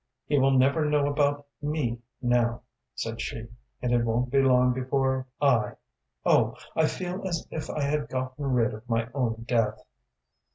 "He will never know about me now," said she, "and it won't be long before I Oh, I feel as if I had gotten rid of my own death."